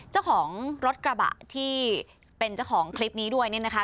เจ้าของรถกระบะที่เป็นเจ้าของคลิปนี้ด้วยเนี่ยนะคะ